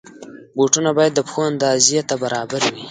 بوټونه باید د پښو اندازې ته برابر وي.